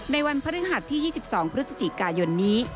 วันพฤหัสที่๒๒พฤศจิกายนนี้